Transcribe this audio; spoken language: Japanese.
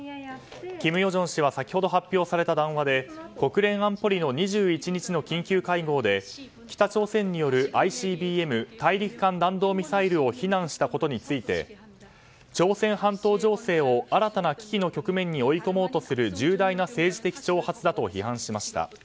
金与正氏は先ほど発表された談話で国連安保理の２１日の緊急会合で北朝鮮によるＩＣＢＭ・大陸間弾道ミサイルを非難したことについて朝鮮半島情勢を新たな危機の局面に追い込もうとする重大な政治的挑発だと批判しました。